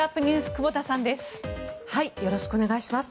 久保田さんです。